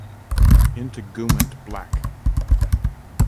Integument black.